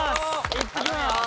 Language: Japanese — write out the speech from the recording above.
いってきます！